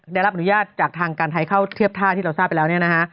ได้รับอนุญาตจากทางการไทยเข้าเทียบท่าที่เราทราบไปแล้วเนี่ยนะฮะ